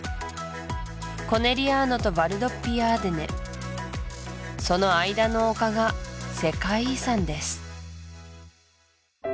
コネリアーノとヴァルドッビアーデネその間の丘が世界遺産です